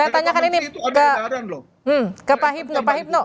pak menteri itu ada edaran loh